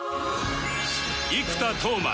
生田斗真